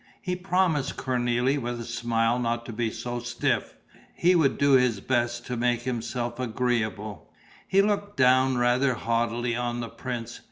He promised Cornélie with a smile not to be so stiff. He would do his best to make himself agreeable. He looked down rather haughtily on the prince.